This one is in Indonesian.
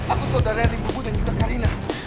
aku saudaranya tinggu tunggu dan kita karina